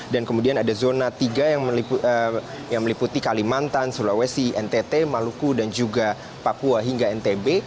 dan kemudian ada zona tiga yang meliputi kalimantan sulawesi ntt maluku dan juga papua hingga ntb